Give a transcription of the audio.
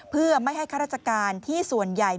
เพื่อไม่ให้ข้าราชการที่ส่วนใหญ่